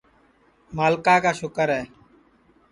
ملکا کا سُکر ہے